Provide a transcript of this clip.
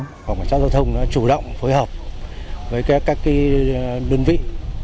cảnh sát giao thông chủ động phối hợp với các đơn vị